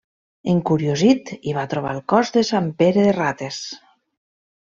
Encuriosit, hi va trobar el cos de sant Pere de Rates.